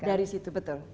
karena dari situ betul